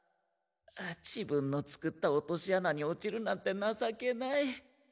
自分の作ったおとし穴におちるなんてなさけない。